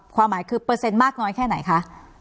ความหมายคือเปอร์เซ็นต์มากน้อยแค่ไหนคะ